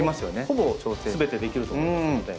ほぼすべてできると思いますので。